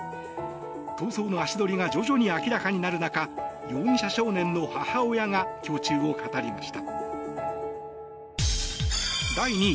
逃走の足取りが徐々に明らかになる中容疑者少年の母親が胸中を語りました。